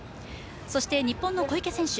そして日本の小池選手